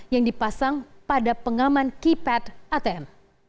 yang dipasang pada pengaman keypad atm